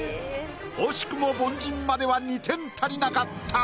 惜しくも凡人までは２点足りなかった。